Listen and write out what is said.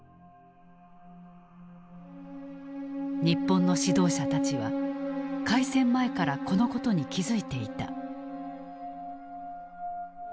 日本の指導者たちは開戦前からこのことに気付いていた。